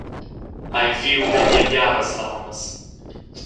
Hai viu memia biaras larmas.